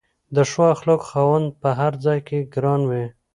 د ښو اخلاقو خاوند په هر ځای کې ګران وي.